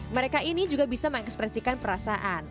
mereka ini juga bisa mengekspresikan perasaan